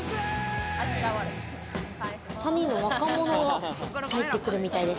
３人の若者が入ってくるみたいです。